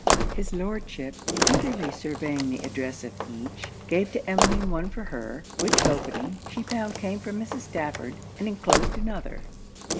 His Lordship, eagerly surveying the address of each, gave to Emmeline one for her; which opening, she found came from Mrs. Stafford, and enclosed another.